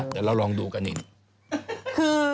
เดี๋ยวเราลองดูกันอีก